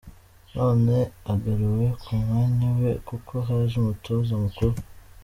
None agaruwe ku mwanya we kuko haje umutoza mukuru.